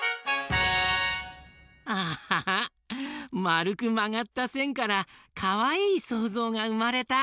まるくまがったせんからかわいいそうぞうがうまれた！